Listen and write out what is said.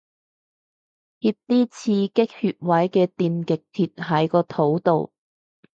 貼啲刺激穴位嘅電極貼喺個肚度